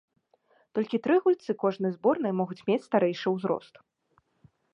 Толькі тры гульцы кожнай зборнай могуць мець старэйшы узрост.